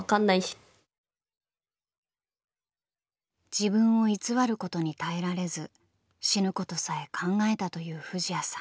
自分を偽ることに耐えられず死ぬことさえ考えたという藤彌さん。